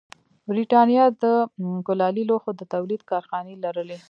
برېټانیا د کولالي لوښو د تولید کارخانې لرلې.